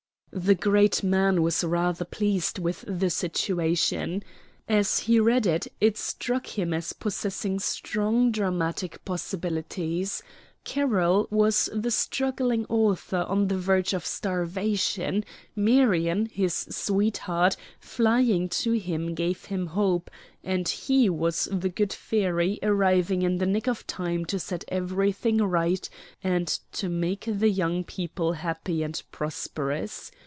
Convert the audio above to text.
The great man was rather pleased with the situation. As he read it, it struck him as possessing strong dramatic possibilities: Carroll was the struggling author on the verge of starvation: Marion, his sweetheart, flying to him gave him hope; and he was the good fairy arriving in the nick of time to set everything right and to make the young people happy and prosperous.